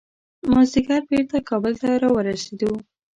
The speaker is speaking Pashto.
مازدیګر بیرته کابل ته راورسېدو.